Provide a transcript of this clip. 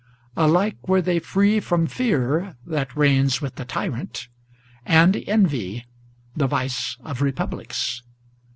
Alike were they free from Fear, that reigns with the tyrant, and envy, the vice of republics.